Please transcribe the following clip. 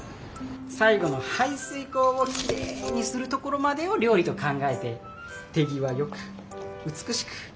最後の排水口をきれいにするところまでを料理と考えて手際よく美しく。